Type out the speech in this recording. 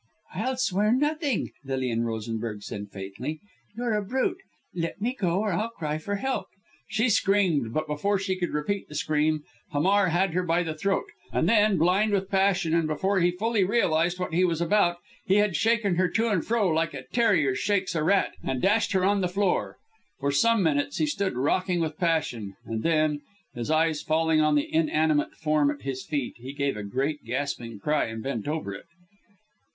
"I'll swear nothing," Lilian Rosenberg said faintly. "You're a brute. Let me go or I'll cry for help." She screamed, but before she could repeat the scream, Hamar had her by the throat and then blind with passion and before he fully realized what he was about, he had shaken her to and fro like a terrier shakes a rat and had dashed her on the floor. For some minutes he stood rocking with passion, and then, his eyes falling on the inanimate form at his feet, he gave a great gasping cry and bent over it.